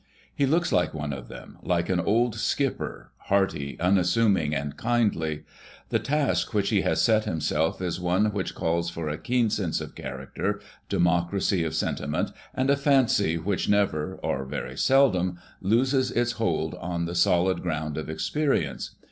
He looks like one of them, like an old skipper, hearty, unassuming and kindly. The task which he has set himself is one which calls for a keen sense of character, democracy of sentiment and a fancy wliich never — or very seldom — loses its hold on the solid ground of experience.